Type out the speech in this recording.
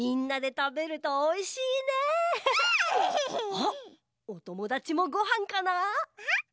あおともだちもごはんかな？